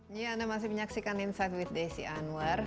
terima kasih menyaksikan insight with desy anwar